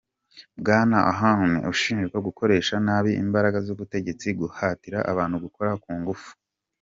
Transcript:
Bwana Ahn ashinjwa gukoresha nabi imbaraga z'ubutegetsi, guhatira abantu gukora ku ngufu.